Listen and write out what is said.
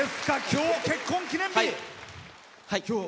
今日、結婚記念日。